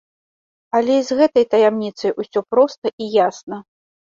Але і з гэтай таямніцай усё проста і ясна.